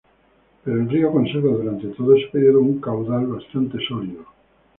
Pero el río conserva durante todo este periodo un caudal bastante sólido.